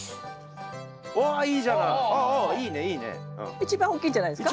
一番大きいんじゃないですか。